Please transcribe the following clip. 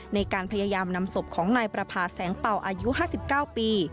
ในการพยายามนำศพของนายประพาแสงเป่าอายุ๕๙ปี